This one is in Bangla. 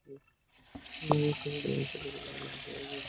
আমি খোঁজ নেব এবং সত্যতা পেলে মেলা বন্ধ করে দেওয়া হবে।